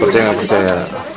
percaya nggak percaya sih